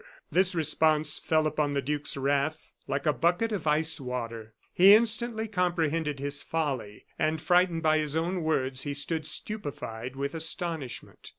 This response fell upon the duke's wrath like a bucket of ice water. He instantly comprehended his folly; and frightened by his own words, he stood stupefied with astonishment.